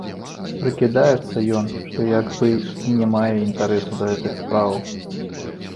Прыкідаецца ён, што як бы й не мае інтарэсу да гэтых спраў.